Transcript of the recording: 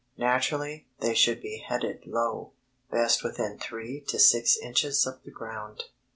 Naturally they should be headed low, best within three to six inches of the ground.